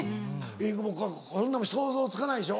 飯窪こんなもん想像つかないでしょ？